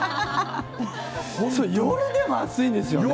夜でも暑いんですよね。